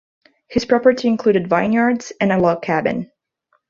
His property included vineyards and a log cabin.